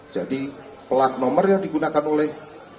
jadi plat nomor yang digunakan oleh